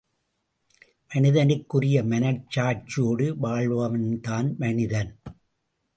மனிதனுக்குரிய மனச்சாட்சியோடு வாழ்பவன்தான் மனிதன்.